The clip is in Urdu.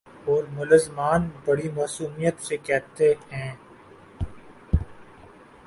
اورملزمان بڑی معصومیت سے کہتے ہیں۔